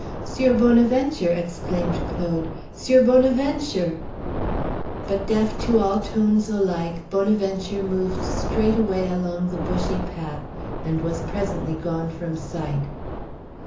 "'Sieur Bonaventure!" exclaimed Claude; "'Sieur Bonaventure!" But deaf to all tones alike, Bonaventure moved straight away along the bushy path, and was presently gone from sight.